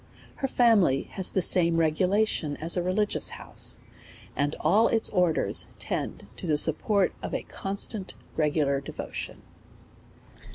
Her family has the same regulation as a religious house, and all its orders tend to the support of a constant regular devotion.